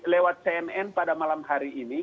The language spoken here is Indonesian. lewat cnn pada malam hari ini